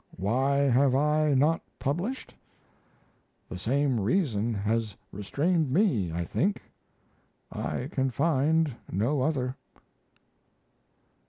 Why have I not published? The same reason has restrained me, I think. I can find no other."